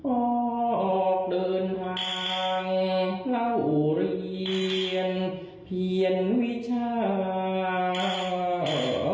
ออกเดินทางเข้าเรียนเพียรวิชา